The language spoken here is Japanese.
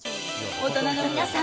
大人の皆さん。